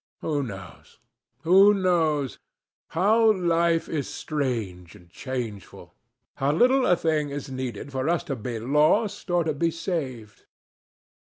Who knows? who knows? How life is strange and changeful! How little a thing is needed for us to be lost or to be saved!